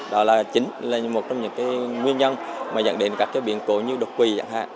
đó là chính là một trong những nguyên nhân mà dẫn đến các cái biện cổ như độc quỳ